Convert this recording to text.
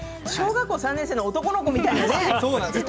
小学校３年生の男の子みたいですね。